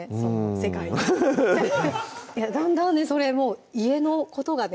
世界にだんだんそれも家のことがね